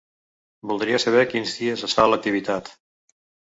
Voldria saber quins dies es fa la activitat.